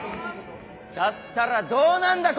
だったらどうなんだ？